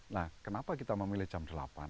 nah kenapa kita memilih jam delapan